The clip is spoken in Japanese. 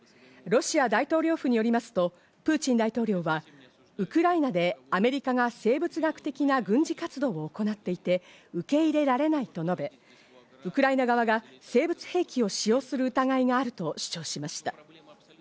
ロシア大統領府によりますと、プーチン大統領は、ウクライナでアメリカが生物学的な軍事活動を行っていて、受け入れられないと述べ、ウクライナ側が生物兵器を使用する疑いがあると主張しました。